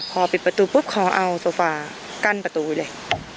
คลอปิดประตูก็เอาโซฟากั้นประตูเลย